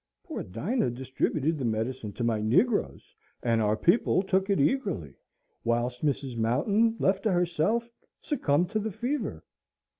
Poor Dinah distributed the medicine to my negroes, and our people took it eagerly whilst Mrs. Mountain, left to herself, succumbed to the fever.